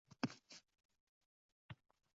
Yana o`zim qoldim